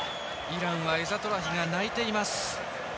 イランはエザトラヒが泣いています。